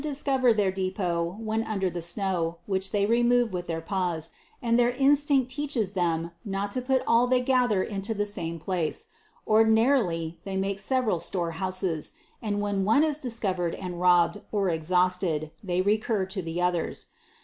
79 cover their depot when under the snow, which they remove with their paws, and their instinct teaches them not to put all they gather into the same place : ordinarily they make several store houses, and when one is discovered and robbed, or exhausted, they recur to the others.